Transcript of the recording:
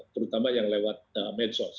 terutama yang lewat medsos